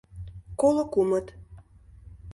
— Коло кумыт!